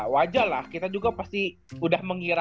wajar lah kita juga pasti udah mengira